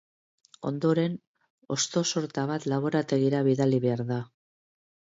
Ondoren, hosto-sorta bat laborategira bidali behar da.